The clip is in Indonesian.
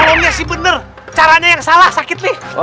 belumnya sih bener caranya yang salah sakit nih